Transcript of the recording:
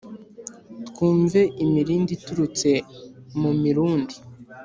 Twumve imirindi iturutse mu mirundi